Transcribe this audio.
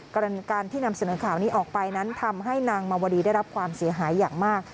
การที่นำเสนอข่าวนี้ออกไปนั้นทำให้นางมาวดีได้รับความเสียหายอย่างมาก